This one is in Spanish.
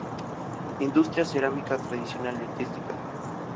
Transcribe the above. Industria cerámica tradicional y artística.